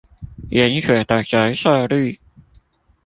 鹽水的折射率